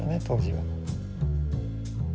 当時は。